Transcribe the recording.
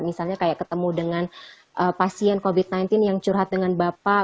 misalnya kayak ketemu dengan pasien covid sembilan belas yang curhat dengan bapak